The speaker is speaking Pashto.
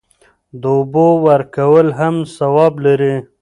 د اوبو ورکول هم ثواب لري.